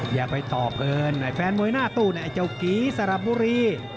อย่าไปตอบเลยแฟนมวยหน้าตู้เนี่ยไอ้เจ้ากีสระบุรี